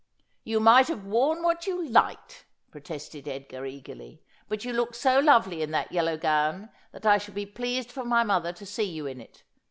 ' You might have worn what you liked,' protested Edgar eagerly, ' but you look so lovely in that yellow gown that I shall be pleased for my mother to see you in it.